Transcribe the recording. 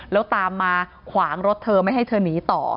แล้วตามมาขวางรถเธอไม่ให้เธอหนีต่อ